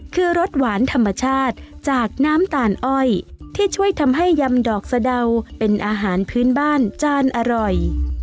คือรสหวานธรรมชาติจากน้ำตาลอ้อยที่ช่วยทำให้ยำดอกสะเดาเป็นอาหารพื้นบ้านจานอร่อย